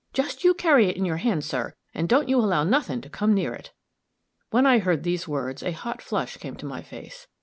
"Just you carry it in your hand, sir, and don't you allow nothing to come near it." When I heard these words, a hot flush came to my face.